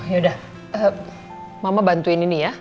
yaudah mama bantuin ini ya